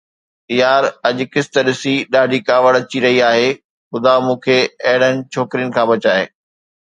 يار اڄ قسط ڏسي ڏاڍي ڪاوڙ اچي رهي آهي، خدا مون کي اهڙن ڇوڪرين کان بچائي